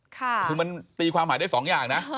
คือมันตีความหมายได้๒อย่างนะ